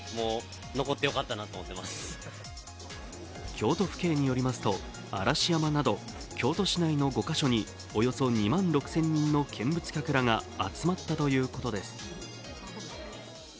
京都府警によりますと、嵐山など京都市内の５か所におよそ２万６０００人の見物客らが集まったということです。